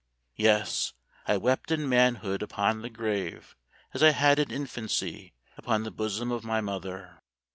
Yes, I wept in manhood upon the grave as I had in infancy upon the bosom of my mother.